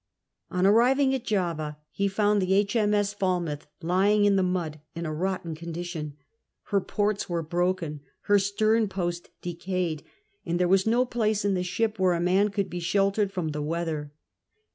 On arriving at Java he found H.M.S. Falrrmth lying in the mud in a rotten condition; her ports were broken, her stern post decayed, and there was no place in the ship where a man could be sheltered from the weather.